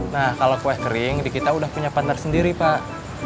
nah kalau kue kering kita udah punya partner sendiri pak